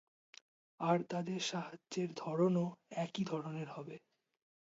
আর তাদের সাহায্যের ধরনও একই ধরনের হবে।